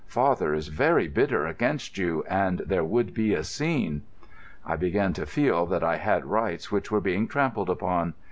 Father is very bitter against you, and there would be a scene." I began to feel that I had rights which were being trampled upon.